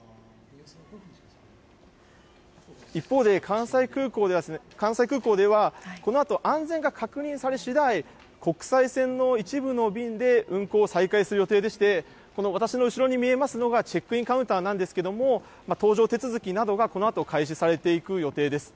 一方で、関西空港では、このあと、安全が確認され次第、国際線の一部の便で運航を再開する予定でして、私の後ろに見えますのがチェックインカウンターなんですけれども、搭乗手続きなどがこのあと、開始されていく予定です。